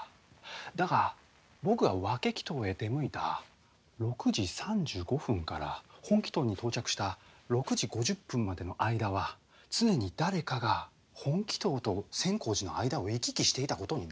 だが僕が分鬼頭へ出向いた６時３５分から本鬼頭に到着した６時５０分までの間は常に誰かが本鬼頭と千光寺の間を行き来していた事になる。